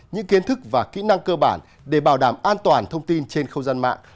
những kiến thức và kỹ năng cơ bản để bảo đảm an toàn thông tin trên không gian mạng